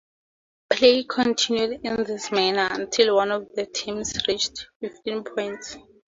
Play continued in this manner until one of the teams reached fifteen points.